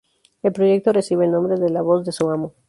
El proyecto recibe el nombre de "La voz de su amo".